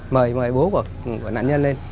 mời bố của nạn nhân lên